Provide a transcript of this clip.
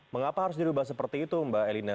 mengapa harus dirubah seperti itu mbak elina